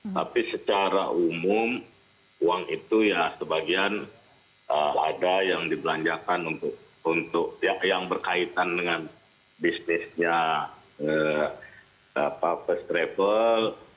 tapi secara umum uang itu ya sebagian ada yang dibelanjakan untuk yang berkaitan dengan bisnisnya first travel